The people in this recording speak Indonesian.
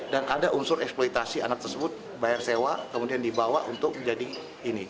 dan ada unsur eksploitasi anak tersebut bayar sewa kemudian dibawa untuk menjadi ini